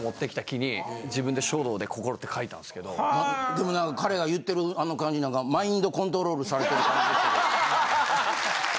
でも彼が言ってるあの感じなんかマインドコントロールされてる感じでしたけど。